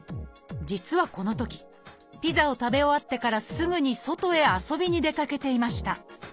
実はこのときピザを食べ終わってからすぐに外へ遊びに出かけていました。